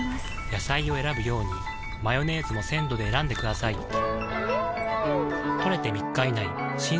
野菜を選ぶようにマヨネーズも鮮度で選んでくださいん！